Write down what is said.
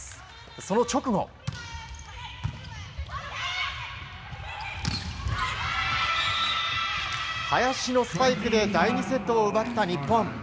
その直後林のスパイクで第２セットを奪った日本。